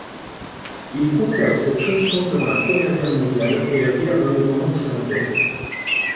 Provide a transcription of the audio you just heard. Il conserve cette fonction durant la Première Guerre mondiale et la guerre d'indépendance irlandaise.